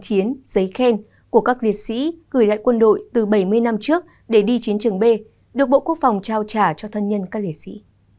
chiến giấy khen của các liệt sĩ gửi lại quân đội từ bảy mươi năm trước để đi chiến trường b được bộ quốc phòng trao trả cho thân nhân các liệt sĩ